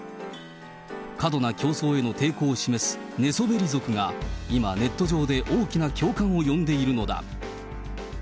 過度な競争への抵抗を示す寝そべり族が今、ネット上で大きな共感を呼んでいるのだ。